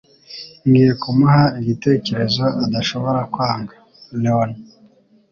Ngiye kumuha igitekerezo adashobora kwanga. (Leono)